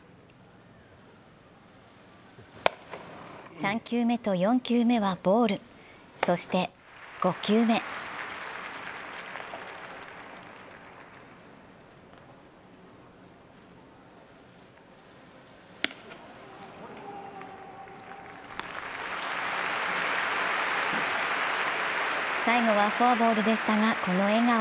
３球目と４球目はボール、そして５球目最後はフォアボールでしたが、この笑顔。